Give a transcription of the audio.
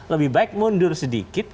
lebih baik mundur sedikit